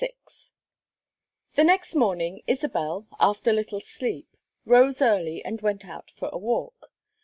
VI The next morning, Isabel, after little sleep, rose early and went out for a walk.